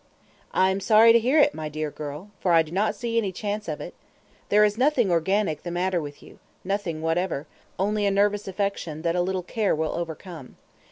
"I am sorry to hear it, my dear girl; for I do not see any chance of it. There is nothing organic the matter with you nothing whatever only a nervous affection that a little care will overcome.